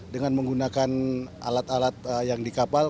dengan menggunakan alat alat yang di kapal